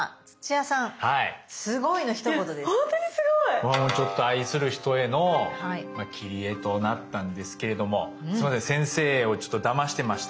僕もちょっと愛する人への切り絵となったんですけれどもすいません先生をだましてました。